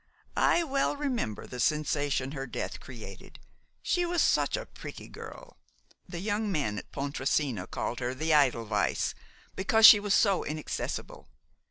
"I well remember the sensation her death created. She was such a pretty girl. The young men at Pontresina called her 'The Edelweiss' because she was so inaccessible.